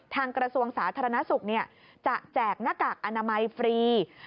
กระทรวงสาธารณสุขจะแจกหน้ากากอนามัยฟรี